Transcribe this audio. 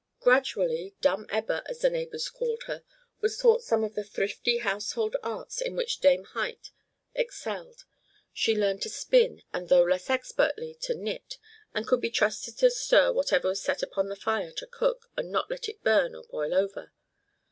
Gradually "Dumb Ebba," as the neighbors called her, was taught some of the thrifty household arts in which Dame Huyt excelled. She learned to spin, and though less expertly, to knit, and could be trusted to stir whatever was set upon the fire to cook, and not let it burn or boil over.